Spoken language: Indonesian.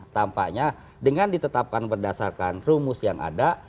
tampaknya dengan ditetapkan berdasarkan rumus yang ada